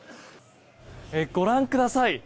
ご覧ください。